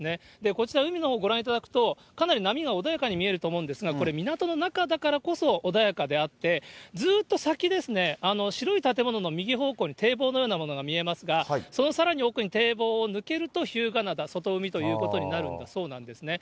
こちら、海のほうをご覧いただくと、かなり波が穏やかに見えると思うんですが、これ、港の中だからこそ穏やかであって、ずっと先ですね、白い建物の右方向に堤防のようなものが見えますが、そのさらに奥に堤防を抜けると日向灘、外海ということになるんだそうですね。